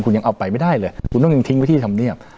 คุณยังเอาไปไม่ได้เลยคุณต้องยังทิ้งไว้ที่ธรรมเนียบ